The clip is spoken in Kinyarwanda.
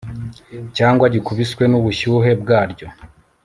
cyangwa gikubiswe n'ubushyuhe bwaryo